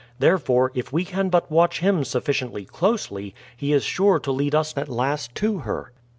Therefore, if we can but watch him sufficiently closely, he is sure to lead us at last to her."